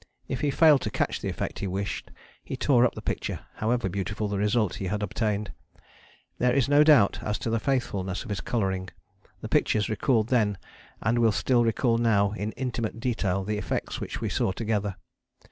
If he failed to catch the effect he wished, he tore up the picture however beautiful the result he had obtained. There is no doubt as to the faithfulness of his colouring: the pictures recalled then and will still recall now in intimate detail the effects which we saw together.